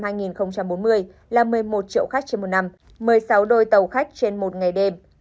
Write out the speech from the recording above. năm hai nghìn bốn mươi là một mươi một triệu khách trên một năm một mươi sáu đôi tàu khách trên một ngày đêm